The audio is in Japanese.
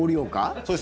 そうです。